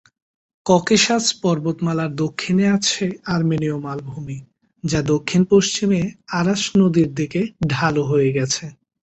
Caucasus পর্বতমালার দক্ষিণে আছে আর্মেনীয় মালভূমি, যা দক্ষিণ-পশ্চিমে আরাস নদীর দিকে ঢালু হয়ে গেছে।